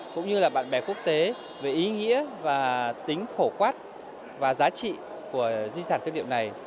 cũng như là bạn bè quốc tế về ý nghĩa và tính phổ quát và giá trị của di sản tư liệu này